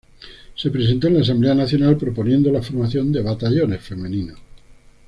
Se presentó en la Asamblea Nacional proponiendo la formación de batallones femeninos.